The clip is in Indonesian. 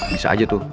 bisa aja tuh